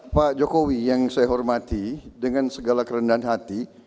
pak jokowi yang saya hormati dengan segala kerendahan hati